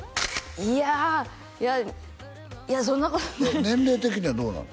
いやいやそんなことない年齢的にはどうなの？